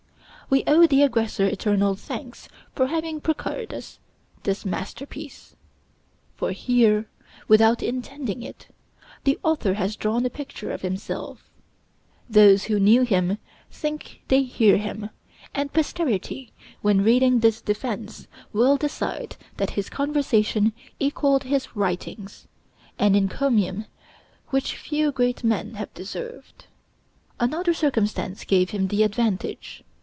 We owe the aggressor eternal thanks for having procured us this masterpiece. For here, without intending it, the author has drawn a picture of himself; those who knew him think they hear him; and posterity, when reading his 'Defense,' will decide that his conversation equaled his writings an encomium which few great men have deserved. Another circumstance gave him the advantage.